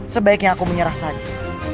sebaiknya aku menyerah saja